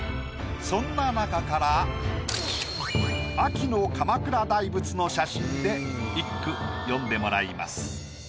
そんな中から秋の鎌倉大仏の写真で一句詠んでもらいます。